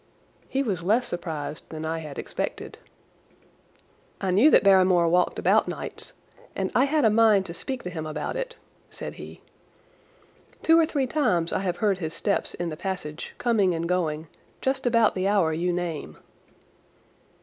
He was less surprised than I had expected. "I knew that Barrymore walked about nights, and I had a mind to speak to him about it," said he. "Two or three times I have heard his steps in the passage, coming and going, just about the hour you name."